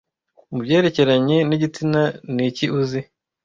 Mubyerekeranye nigitsina niki uzi